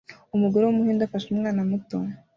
Umugore wumuhinde afashe umwana muto